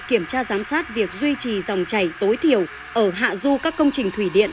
kiểm tra giám sát việc duy trì dòng chảy tối thiểu ở hạ du các công trình thủy điện